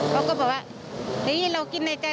เขาก็บอกว่าเฮ้ยเรากินในใจ